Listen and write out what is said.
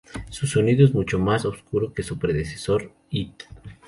Su sonido es mucho más oscuro que su predecesor, It.